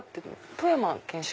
富山県出